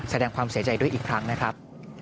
แสดงความเสียใจด้วยอีกครั้งนะครับ